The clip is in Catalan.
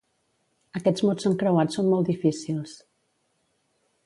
Aquests mots encreuats són molt difícils.